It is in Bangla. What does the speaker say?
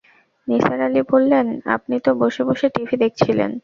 নিসার আলি বললেন, আপনি তো বসে-বসে টিভি দেখছিলেন।